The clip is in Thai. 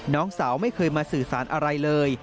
น้องสาวไม่เคยมาสื่อสารอะไรเลย